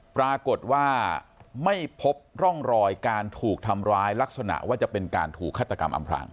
ปรากฏว่าไม่พบร่องรอยการถูกทำร้ายลักษณะว่าจะเป็นการถูกฆาตกรรมอำพลาง